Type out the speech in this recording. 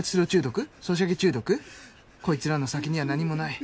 こいつらの先には何もない。